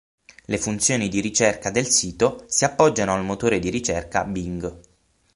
Le funzioni di ricerca del sito si appoggiano al Motore di ricerca Bing.